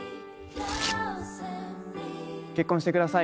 結婚して下さい。